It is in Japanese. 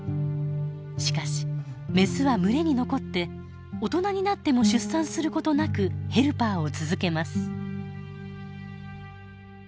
しかしメスは群れに残って大人になっても出産することなくヘルパーを続けます。